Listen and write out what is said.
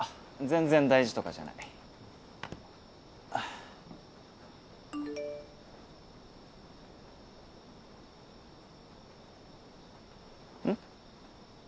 全然大事とかじゃないうん？